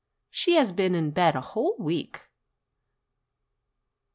She has been in bed a whole week.